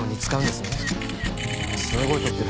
すごい撮ってる。